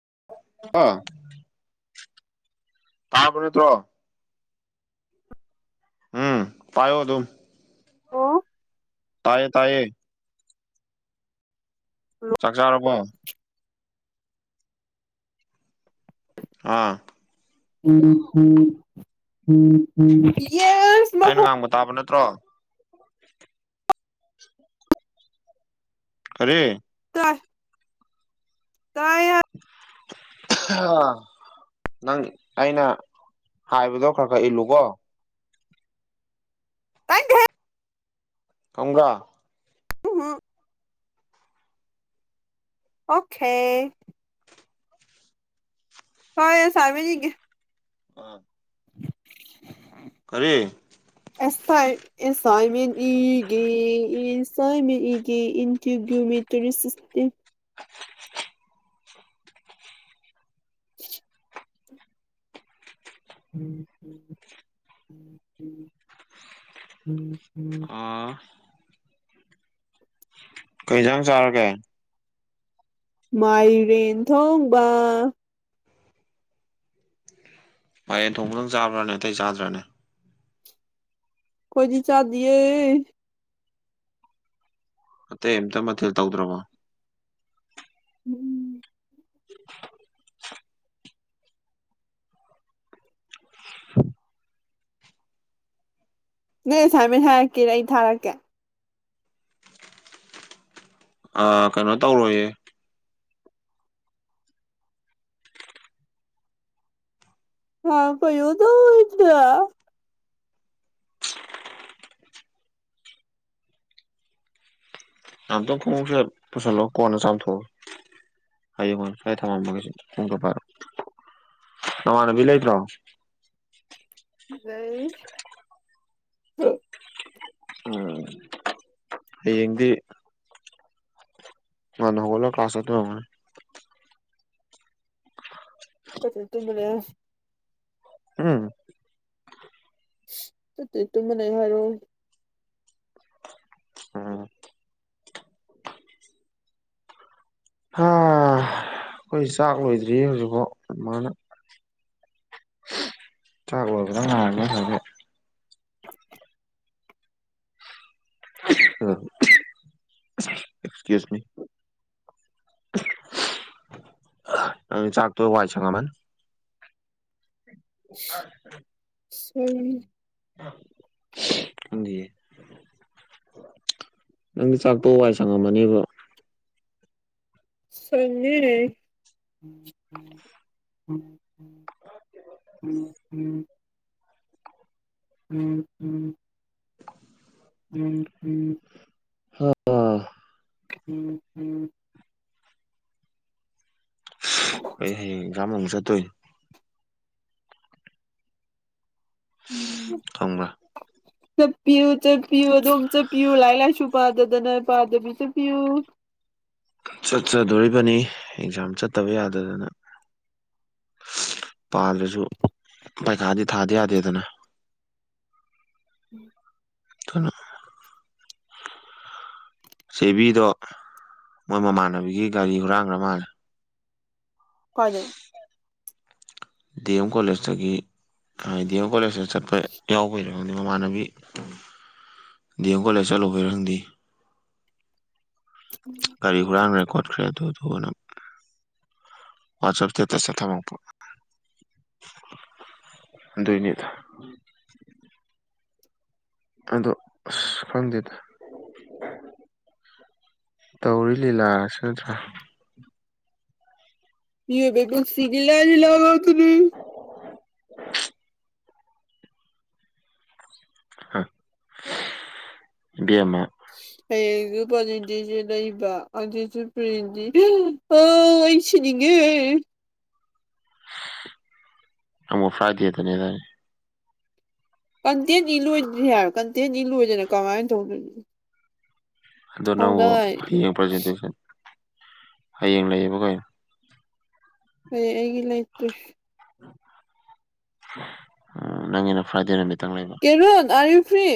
[unintelligible] [unintelligible] ꯎꯝ ꯄꯥꯏꯑꯣ ꯑꯗꯨ [unintelligible] ꯇꯌꯦ ꯇꯌꯦ ꯆꯥꯛ ꯆꯥꯔꯕꯣ ꯑꯥ [unintelligible] ꯑꯩꯅ ꯃꯈꯣꯟ ꯉꯥꯡꯕ ꯇꯥꯕ ꯅꯠꯇ ꯇ꯭ꯔꯣ ꯀꯔꯤ [unintelligible] ꯇꯥꯏ ꯅꯪ ꯑꯩꯅ ꯍꯥꯏꯕꯗꯣ ꯈꯔ ꯈꯔ ꯏꯜꯂꯨꯀꯣ [unintelligible] [unintelligible] [unintelligible] ꯑꯣꯈꯦ ꯍꯣꯏ ꯁꯥꯏꯃꯅꯤꯒꯦ [unintelligible] ꯀꯔꯤ ꯑꯦꯁꯥꯏ ꯑꯦꯁꯥꯏꯃꯦꯟ ꯏꯒꯤ ꯏꯁ ꯁꯥꯏꯃꯦꯒꯤ ꯏꯟꯇꯤꯒ꯭ꯌꯨꯃꯤ ꯁꯤꯁꯇꯦꯝ [unintelligible] ꯎꯝ ꯑ ꯀꯩꯖꯥꯡ ꯆꯥꯔꯒꯦ ꯃꯥꯏꯔꯦꯟ ꯊꯣꯡꯕ ꯃꯥꯏꯔꯦꯟ ꯊꯣꯡꯕꯗꯪ ꯆꯥꯕ꯭ꯔ꯭ꯥꯅꯦ ꯑꯇꯩ ꯆꯥꯗ꯭ꯔꯅꯦ ꯑꯩꯈꯣꯏꯗꯤ ꯆꯥꯗꯤꯌꯦ ꯑꯇꯩ ꯑꯃꯇ ꯃꯊꯦꯜ ꯇꯧꯗ꯭ꯔꯕꯣ ꯎꯝ [unintelligible] ꯅꯣꯏ ꯑꯦꯁꯥꯏꯟꯃꯦꯟ ꯍꯥꯏꯔꯛꯀꯦꯔꯥꯥ ꯑꯩ ꯊꯥꯔꯛꯀꯦ ꯑ ꯀꯅꯣ ꯇꯧꯔꯣꯏꯌꯦ ꯍꯥ ꯄꯩꯗ ꯑꯗꯨꯝ ꯇꯨꯝꯅꯤꯡꯕꯅ ꯌꯥꯗꯔ꯭ꯦ ꯑꯝꯇꯪ ꯈꯣꯡꯎ ꯄꯨꯁꯤꯜꯂꯣ ꯀꯣꯟꯅ ꯆꯥꯝꯊꯣꯛꯑꯣ ꯍꯌꯦꯡ ꯑꯣꯏꯅ ꯁꯋꯥꯏ ꯊꯝꯃꯝꯃꯒꯦ ꯈꯣꯡꯎꯞꯇꯣ ꯄꯥꯏꯔꯛꯑꯣ ꯅꯃꯥꯟꯅꯕꯤ ꯂꯩꯇ꯭ꯔꯣ ꯂꯩ ꯍꯥ ꯎꯝ ꯍꯌꯦꯡꯗꯤ ꯉꯟꯅ ꯍꯧꯒꯠꯂꯒ ꯀꯂ꯭ꯥꯁ ꯆꯠꯇꯣꯏ ꯑꯣꯏꯔꯝꯅꯤ ꯆꯠꯇꯕꯤ ꯇꯨꯝꯃ ꯎꯝ ꯆꯠꯇꯦ ꯇꯨꯝꯃ ꯂꯩꯌꯣ ꯍꯥꯏꯔꯣ ꯎꯝ ꯍꯥ ꯑꯩꯈꯣꯏ ꯆꯥꯛ ꯂꯣꯏꯗ꯭ꯔꯤ ꯍꯧꯖꯤꯛꯐꯥꯎ ꯃꯃꯥꯅ ꯆꯥꯛ ꯂꯣꯏꯕ ꯉꯥꯏꯕ ꯉꯁꯥꯏꯗꯒꯤ ꯑꯦꯁꯀꯨꯁ ꯃꯤ ꯆꯥꯛ ꯇꯣꯛ ꯑꯃꯤꯅ ꯋꯥꯏꯁꯡꯉꯝ ꯃꯅꯤ ꯑ [unintelligible] ꯁꯦ ꯪ ꯅꯪꯗꯤ ꯆꯥꯛꯇꯣꯛ ꯋꯥꯏ ꯁꯪꯉꯝꯃꯅꯦꯕ ꯁꯦꯡꯉꯦ ꯎꯝ ꯎꯝ ꯎꯝ ꯎꯝ ꯍꯥ ꯎꯝ ꯎꯝ ꯑꯩꯈꯣꯏꯗꯤ ꯍꯌꯦꯡ ꯑꯦꯛꯖꯥꯝ ꯑꯃꯨꯛ ꯆꯠꯇꯣꯏꯅꯤ ꯎꯝ ꯈꯪꯕ꯭ꯔꯥ ꯆꯠꯄꯤꯌꯨ ꯆꯠꯄꯤꯌꯨ ꯑꯗꯣꯝ ꯆꯠꯄꯤꯌꯨ ꯂꯥꯏꯔꯤꯛ ꯂꯥꯏꯁꯨ ꯄꯥꯗꯗꯅ ꯄꯥꯗꯕꯤ ꯆꯠꯄꯤꯌꯨ ꯆꯠꯆꯗꯣꯔꯤꯕꯅꯤ ꯑꯦꯛꯖꯥꯝ ꯆꯠꯇꯕ ꯌꯥꯗꯗꯅ ꯄꯥꯗ꯭ꯔꯁꯨ ꯄꯩꯈꯥꯗꯤ ꯊꯥꯗ ꯌꯥꯗꯦꯗꯅ ꯎꯝ ꯀꯩꯅꯥ ꯆꯦꯕꯤꯗꯣ ꯃꯣꯏ ꯃꯃꯥꯟꯅꯕꯤꯒꯤ ꯒꯥꯔꯤ ꯍꯨꯔꯥꯟꯈ꯭ꯔ ꯃꯥꯜꯂꯦ ꯀꯥꯏꯗꯩꯩ ꯗꯤ ꯑꯦꯝ ꯀꯣꯂꯦꯖ ꯇꯒꯤ ꯗꯤ ꯑꯦꯝ ꯀꯣꯂꯦꯖꯇ ꯆꯠꯄ ꯌꯥꯎꯕꯩꯔ ꯈꯪꯗꯦ ꯃꯃꯥꯟꯅꯕꯤ ꯗꯤ ꯑꯦꯝ ꯀꯣꯂꯦꯖ ꯆꯠꯂꯨꯕꯩꯔꯥ ꯈꯪꯗꯦ ꯒꯥꯔꯤ ꯍꯨꯔꯥꯟꯒꯔꯦ ꯈꯣꯠ ꯆꯠꯈ꯭ꯔꯦ ꯑꯗꯨꯗꯨ ꯅ ꯋꯥꯆꯞꯇ ꯁꯇꯦꯇꯁ ꯊꯝꯃꯛꯄ ꯑꯗꯨꯏꯅꯤꯗ ꯑꯗꯣ ꯑꯁ ꯈꯪꯗꯦꯗ ꯇꯧꯔꯤ ꯂꯤꯂꯥꯁꯨ ꯅꯠꯇ꯭ꯔꯥ ꯃꯤ [inaudible] [inaudible] ꯑ ꯑꯃ ꯍꯌꯦꯡꯖꯨ [inaudible] ꯑꯗꯤꯁꯨ ꯄꯔꯤꯗꯤ ꯍ ꯑꯩꯁꯤꯅꯤꯡꯉꯦ ꯑꯃꯃꯛ ꯐ꯭ꯔꯥꯏꯗꯤꯗꯅꯤꯗꯔꯅꯤ ꯀꯟꯇꯦꯟꯅꯤ ꯂꯣꯏꯗꯔꯤ ꯍꯥꯏ ꯀꯟꯇꯦꯟꯅꯤ ꯂꯣꯏꯗꯅ ꯀꯃꯥꯏꯅ ꯇꯧꯅꯣꯏꯅꯤ ꯑꯗꯣ ꯅꯎ ꯌꯦꯡ ꯄ꯭ꯔꯖꯟꯇꯦꯁꯟ ꯍꯌꯦꯡ ꯂꯩꯌꯦꯕꯈꯣꯏ ꯍꯣꯏ ꯑꯩꯒꯤ ꯂꯩꯇꯦ ꯎ ꯅꯥꯪꯒꯤꯅꯥ ꯐꯔꯥꯏꯗꯦꯅ ꯅ ꯀꯦꯔꯣꯟ ꯑ ꯐ꯭ꯔꯦ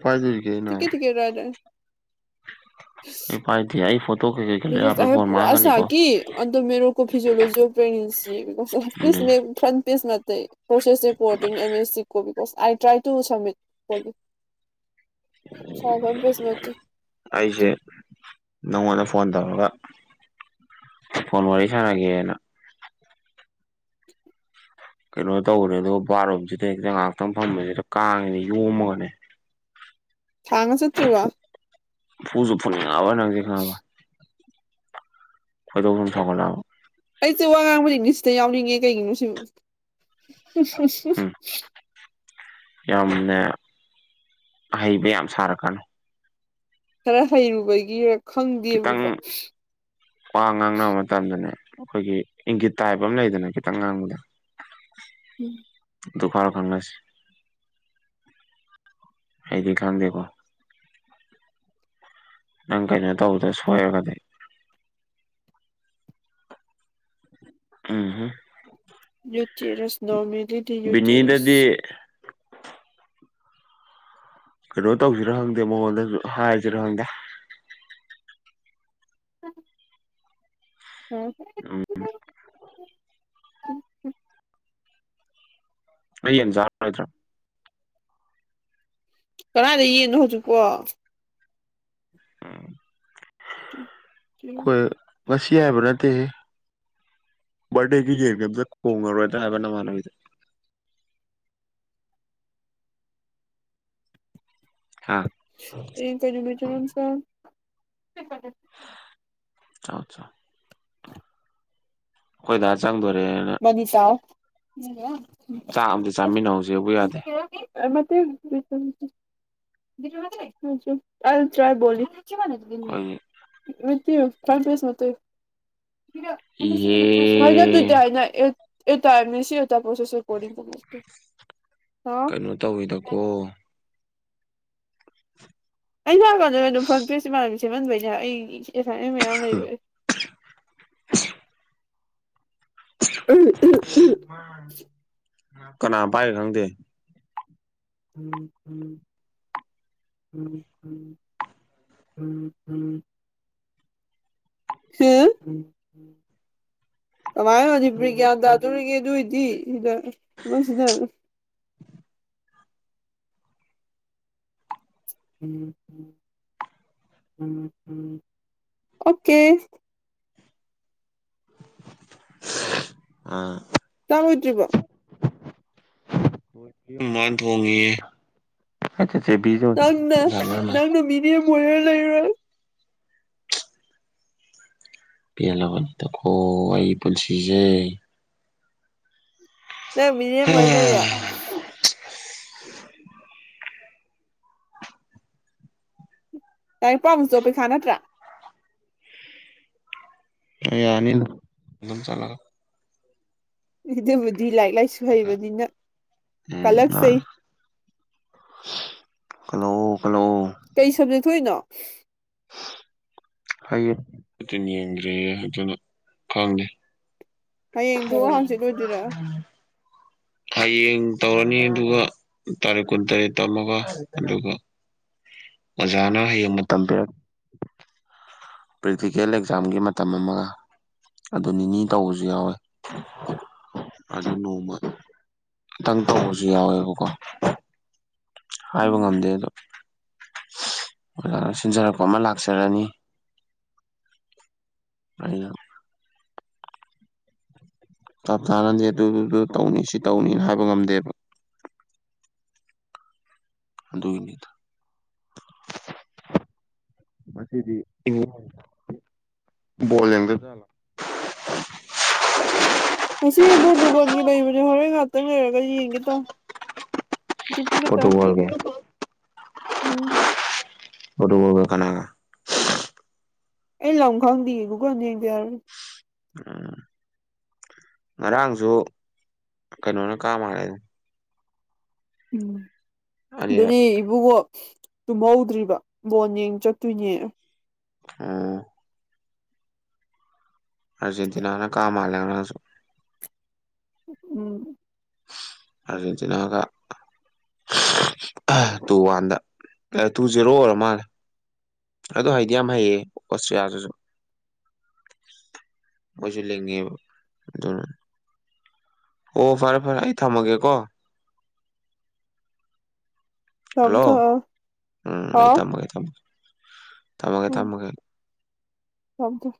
ꯀꯥꯏ ꯁꯦ [inaudible] ꯑꯦ ꯄꯥꯏꯗꯤ ꯌꯥ [inaudible] ꯃꯁ ꯑꯦ ꯄꯨꯔꯥ ꯁꯥ ꯀ ꯑ ꯃꯦꯣ ꯀ ꯐꯤꯖꯤꯑꯣꯂꯣꯖꯤ ꯑꯣ ꯄ꯭ꯔ ꯁꯤ ꯄ ꯑꯗꯨꯏ ꯐꯟ ꯄꯤꯁ ꯃ ꯇ ꯄꯣꯁꯦꯁ ꯔꯤꯄꯣꯔꯤꯡ ꯑꯝ ꯑꯦꯁ ꯁꯤꯕꯤ ꯁ ꯑꯥꯏ ꯇ꯭ꯔꯥꯏ ꯇꯨ ꯁꯃꯤꯠꯣ [inaudible] ꯑꯩꯁꯦ ꯅꯪꯉꯣꯟꯗ ꯐꯣꯟ ꯇꯧꯔꯒ ꯐꯣꯟ ꯋꯥꯔꯤ ꯁꯥꯟꯅꯒꯦꯅ [inaudible] ꯀꯩꯅꯣ ꯇꯧꯔꯦ ꯑꯗꯣ ꯕꯥꯔꯣꯝꯁꯤꯗ ꯍꯛꯇ ꯉꯥꯏꯍꯥꯛꯇꯪ ꯐꯝꯕꯁꯤꯗ ꯀꯥꯡꯉꯤꯅ ꯌꯣꯝꯃꯒꯅꯦ ꯉꯆꯠꯇ꯭ꯔꯤꯕ ꯐꯨꯁꯨ ꯐꯨꯅꯤꯡ ꯉꯥ ꯕ ꯅ ꯍꯧꯖꯤ ꯈꯕ ꯀꯣꯏꯗꯧ ꯁꯨꯝꯝ ꯁꯥꯑꯣꯒꯠꯂꯥꯕ ꯑꯩꯁꯦ ꯋꯥ ꯉꯥꯡꯕꯗ ꯏꯪꯂꯤꯁꯇ ꯌꯥꯎꯅꯤꯡꯉꯦ ꯀꯩꯒꯤꯅꯣ ꯁꯤꯕꯨ ꯍ ꯎꯝ ꯌꯥꯝꯅ ꯑꯍꯩꯕ ꯌꯥꯝ ꯁꯥꯔꯛꯀꯅꯤ ꯈꯔ ꯍꯩꯔꯨꯕꯒꯤ ꯀꯩꯒꯤꯅꯣ ꯁꯤꯕꯨ ꯈꯤꯇꯪ ꯋꯥ ꯉꯥꯡꯅꯕ ꯃꯇꯝꯗꯅꯦ ꯑꯩꯈꯣꯏꯒꯤ ꯏꯪꯒꯤꯠ ꯇꯥꯏꯞ ꯑꯃ ꯂꯩꯗꯅ ꯈꯤꯇꯪ ꯉꯥꯡꯕꯗ ꯎꯝ ꯗꯗꯨ ꯐꯔ ꯈꯥꯟꯒꯁꯤ ꯑꯩꯗꯤ ꯈꯥꯟꯗꯦꯀꯣ ꯅꯪ ꯀꯩꯅ ꯇꯧꯕꯧꯗꯁ ꯁꯣꯏꯔꯒꯗꯤ ꯎꯝꯍꯝ ꯌꯨꯇ‌ꯦꯔꯁ ꯅꯣꯔꯃꯤꯜ ꯕꯤꯅꯤꯗꯗꯤ ꯀꯩꯅꯣ ꯇꯧꯁꯤꯔ ꯈꯪꯗꯦ ꯃꯉꯣꯟꯗꯁꯨ ꯍꯥꯏꯁꯤꯔ ꯈꯪꯗꯦ ꯎ [unintelligible] ꯎꯝ [unintelligible] ꯑꯩ ꯌꯦꯟ ꯆꯔ [unintelligible] ꯔꯣꯏꯗ꯭ꯔ‌ꯣ ꯀꯥꯗꯥꯏꯗꯩ ꯌꯦꯟꯅ‌ꯣ ꯍꯧꯖꯤꯛꯄꯣ ꯎꯝ [unintelligible] [unintelligible] ꯁꯤ ꯍꯥꯏꯕ ꯅꯠꯇꯦꯍ‌ꯦ ꯕꯥꯔꯗꯦꯒꯤ ꯌꯦꯟꯒ ꯑꯝꯇ ꯀ‌ꯣꯡꯉꯔꯣꯏꯗꯔ ꯍꯥꯏꯕ ꯅꯃꯥꯟꯅꯕꯤꯗ ꯍꯥ ꯌ‌ꯦꯡ ꯀꯩ ꯅꯨꯃꯤꯠꯇꯅ‌ꯣꯝ ꯆꯥ [unintelligible] ꯆꯥꯎ ꯆꯥꯎ ꯈ‌ꯣꯏ ꯗꯥ ꯆꯪꯗ‌ꯣꯔ‌ꯦ ꯃꯅꯤ ꯆꯥꯔ [unintelligible] ꯆꯥꯛ ꯑꯃꯗꯤ ꯆꯥꯃꯤꯟꯅꯍꯧꯁꯦꯕꯨ ꯌꯥꯗꯦ [unintelligible] [unintelligible] ꯑꯩꯈꯣꯏꯒꯤ [unintelligible] [unintelligible] ꯏꯍꯦ [unintelligible] [unintelligible] ꯍꯥꯎ ꯀꯩꯅꯣ ꯇꯧꯋꯤꯗꯀꯣ ꯑꯩ ꯂꯥꯛꯀꯗ ꯑꯗꯨꯝ ꯐ꯭ꯔꯟ ꯄꯦꯁ ꯏꯃꯥꯟꯅꯕꯤ ꯁꯦꯝꯍꯟꯕꯩꯅꯦ ꯑꯩ ꯑꯦꯁꯥꯏꯟꯃ‌ꯦꯟ ꯃꯌꯥꯝ ꯂꯩꯕꯩ [unintelligible] ꯀꯅꯥ ꯄꯥꯏꯔꯤꯅ‌ꯣ ꯈꯪꯗꯦ ꯎꯝ ꯎꯝ ꯎꯝ ꯎꯝ ꯎꯝ ꯎꯝ ꯍꯦ ꯀꯃꯥꯏꯅ ꯃꯅꯤꯄꯨꯔꯤ ꯒ꯭ꯌꯥꯟ ꯇꯥꯗꯣꯔꯤꯒꯦ ꯑꯗꯨꯏꯗꯤ ꯁꯤꯗ ꯁꯤꯖꯤꯟꯅ [unintelligible] [unintelligible] ꯑꯣꯀꯦ [unintelligible] ꯑꯥ ꯆꯥꯛ ꯂ‌ꯣꯏꯗ꯭ꯔꯤꯕꯣ [unintelligible] ꯃꯥꯅ ꯊ‌ꯣꯡꯉꯤꯌꯦ ꯅꯪꯅ ꯅꯪꯅ ꯃꯤꯔꯦꯝ ꯑꯣꯏꯔ ꯂꯩꯔ‌ ꯄꯦꯜꯂꯕꯅꯤꯗ ꯀꯣ ꯑꯩ ꯄꯨꯟꯁꯤꯁꯦ ꯅꯪ ꯃꯤꯔ‌‌ꯦꯝ ꯑꯣꯏ ꯂꯩꯔ‌ꯦ ꯂꯥꯏꯔꯤꯛꯄꯥꯔꯨꯆꯣ ꯄꯩꯈꯥ ꯅꯠꯇ꯭ꯔꯥ꯫ ꯌꯥꯅꯤꯗ ꯏꯗꯣꯝꯆ ꯂꯥꯛꯑ ꯑꯗꯨꯕꯨꯗꯤ ꯂꯥꯏꯔꯤꯛ ꯂꯥꯏꯁꯨ ꯍꯩꯕꯅꯤꯅ ꯀꯜꯂꯛꯆꯩ꯫ ꯍꯜꯂꯣ꯫ ꯍꯜꯂꯣ꯫ ꯀꯩ ꯁꯕꯖꯦꯛ ꯊꯣꯛꯏꯅꯣ꯫ ꯍꯌꯦꯗꯤ ꯌꯦꯡꯗ꯭ꯔꯤꯌꯦ ꯍꯧꯖꯤꯛꯃꯛ ꯈꯪꯗꯦ꯫ ꯍꯌꯦꯡꯗꯨ ꯍꯥꯡꯆꯤꯠꯂꯑꯣꯏꯗꯣꯏꯔꯥ꯫ ꯍꯌꯦꯡ ꯇꯧꯔꯅꯤ ꯑꯗꯨꯒ ꯇꯥꯔꯤꯛ ꯀꯨꯟ ꯇꯔꯦꯠ ꯇꯝꯃꯒ ꯑꯗꯨꯒ ꯑꯣꯖꯥꯅ ꯍꯌꯦꯡ ꯃꯇꯝ ꯄ꯭ꯔꯦꯛꯇꯤꯀꯦꯜ ꯑꯦꯛꯖꯥꯝꯒꯤ ꯃꯇꯝ ꯑꯃꯒ ꯑꯗꯨ ꯅꯤꯅꯤ ꯇꯧꯕꯁꯨ ꯌꯥꯎꯋꯦ ꯑꯗꯨ ꯅꯣꯡꯃ ꯈꯤꯇꯪ ꯇꯧꯕꯁꯨ ꯌꯥꯎꯋꯦꯕꯀꯣ ꯍꯥꯏꯕ ꯎꯝ ꯉꯝꯗꯦ ꯑꯗꯣ ꯑꯣꯖꯥꯅ ꯁꯤꯟꯖꯔꯛꯄ ꯑꯃ ꯂꯥꯛꯆꯔꯅꯤ꯫ [unintelligible] ꯆꯞ ꯆꯥꯟꯅꯅꯤ ꯑꯗꯨꯗꯨꯒ ꯇꯧꯅꯤ ꯁꯤ ꯇꯧꯅꯤꯅ ꯍꯥꯏꯕ ꯉꯝꯗꯦꯕ꯫ ꯑꯗꯨꯒꯤꯅꯤꯗ ꯉꯁꯤꯗꯤ [unintelligible] ꯕꯣꯜ ꯌꯦꯡꯗꯖꯥꯠꯂꯣ꯫ ꯉꯁꯤ ꯄꯣꯇ꯭ꯔꯨꯒꯜꯒꯤ ꯂꯩꯕꯅꯦ ꯍꯣꯔꯦꯟ ꯉꯥꯛꯇꯪ ꯂꯩꯔꯒ ꯌꯦꯡꯒꯦ ꯇꯧꯃꯤ꯫ ꯄ꯭ꯔꯣꯇꯨꯒꯜꯒꯤ꯫ ꯎꯝ꯫ ꯄ꯭ꯔꯣꯇꯨꯒꯜꯒ ꯀꯅꯥꯒ꯫ ꯑꯩ ꯂꯪ ꯈꯪꯗꯤꯌꯦ ꯒꯨꯒꯜꯗ ꯌꯦꯡꯗ ꯌꯥꯔꯣꯏ꯫ ꯎꯝ ꯉꯔꯥꯡꯖꯨ ꯀꯩꯅꯣꯅ ꯀꯥ ꯃꯥꯜꯂꯦꯅꯦ꯫ ꯎꯝ ꯑꯅꯤꯔꯛ ꯑꯗꯨꯗꯤ ꯏꯕꯨꯨꯡꯉꯣ ꯇꯨꯝꯍꯧꯗ꯭ꯔꯤꯕ ꯕꯣꯟ ꯌꯦꯡ ꯆꯠꯇꯣꯏꯅꯦ꯫ ꯎꯝ ꯑꯔꯖꯦꯟꯇꯤꯅꯥꯅ ꯀꯥ ꯃꯥꯜꯂꯦ ꯉꯔꯥꯡꯖꯨ꯫ ꯎꯝ ꯑꯔꯖꯦꯠꯇꯤꯅꯥꯒ ꯇꯨ ꯋꯥꯟꯗ ꯇꯨ ꯖꯦꯔꯣ ꯑꯣꯏꯔ ꯃꯥꯜꯂꯦ ꯑꯗꯣ ꯍꯩꯗꯤ ꯌꯥꯝ ꯍꯩꯌꯦ ꯑꯣꯁꯇ꯭ꯔꯤꯌꯥꯗꯁꯨ ꯃꯣꯏꯁꯨ ꯂꯤꯡꯉꯦꯕ ꯑꯗꯨꯅ ꯑꯣ ꯐꯔꯦ ꯐꯔꯦ ꯑꯩ ꯊꯝꯃꯒꯦꯀꯣ꯫ ꯊꯝ ꯍꯜꯂꯣ ꯊꯝ ꯎꯝ ꯑꯩ ꯍꯥꯎ ꯊꯝꯃꯒꯦ ꯊꯝꯃꯒꯦ꯫ ꯊꯝꯃꯒꯦ ꯊꯝꯃꯒꯦ ꯫ ꯊꯝꯃ ꯊꯝ